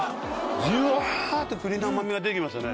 ジュワって栗の甘みが出て来ましたね。